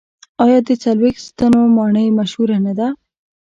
آیا د څلوېښت ستنو ماڼۍ مشهوره نه ده؟